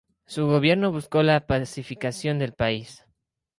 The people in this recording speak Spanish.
Su gobierno buscó la pacificación del país.